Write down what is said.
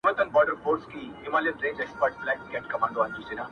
زما په ژوندون كي چي نوم ستا وينمه خوند راكوي.